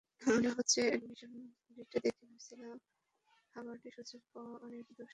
মনে আছে, admission rate দেখে ভেবেছিলাম হার্ভার্ডে সুযোগ পাওয়া অনেক দুঃসাধ্য।